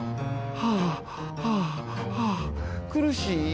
はあはあはあくるしい！